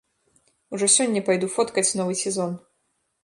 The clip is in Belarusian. Ужо сёння пайду фоткаць новы сезон.